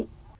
và về luzhin